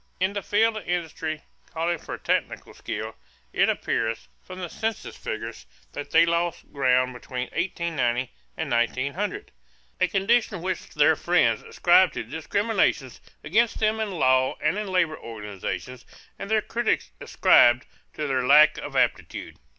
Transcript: In the field of industry calling for technical skill, it appears, from the census figures, that they lost ground between 1890 and 1900 a condition which their friends ascribed to discriminations against them in law and in labor organizations and their critics ascribed to their lack of aptitude.